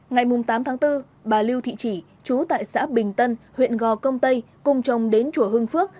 ngày tám tháng bốn bà lưu thị chỉ chú tại xã bình tân huyện gò công tây cùng chồng đến chùa hương phước